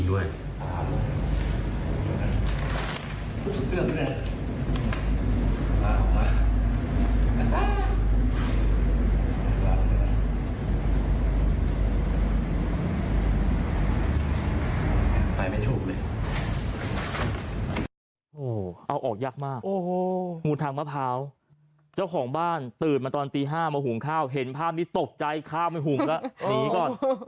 โอ้โหเอาออกยากมากโอ้โหงูทางมะพร้าวเจ้าของบ้านตื่นมาตอนตี๕มาหุงข้าวเห็นภาพนี้ตกใจข้าวไม่หุงแล้วหนีก่อน